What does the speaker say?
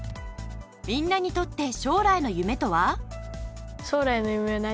みんなにとって将来の夢とは？